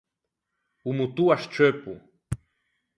O motô à scceuppo.